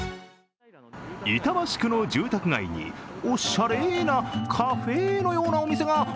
板橋区の住宅街におしゃれなカフェのようなお店が。